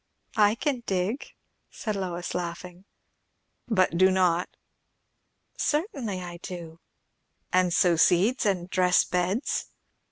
"I can dig," said Lois, laughing. "But do not?" "Certainly I do." "And sow seeds, and dress beds?"